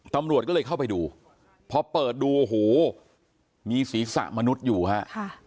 ตำรวจก็เลยเข้าไปดูพอเปิดดูโอ้โหมีศีรษะมนุษย์อยู่ฮะ